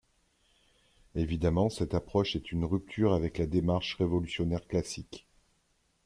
Évidemment cette approche est une rupture avec la démarche révolutionnaire classique.